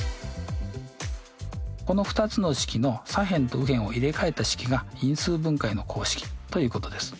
この２つの式の左辺と右辺を入れ替えた式が因数分解の公式ということです。